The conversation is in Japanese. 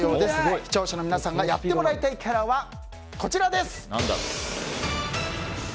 視聴者の皆さんがやってもらいたいキャラはこちらです。